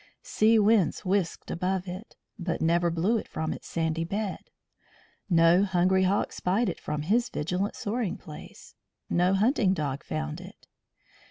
Sea winds whisked above it, but never blew it from its sandy bed. No hungry hawk spied it from his vigilant soaring place; no hunting dog found it.